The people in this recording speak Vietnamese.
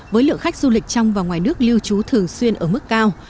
với lượng khách du lịch trong và ngoài nước lưu trú thường xuyên ở mức cao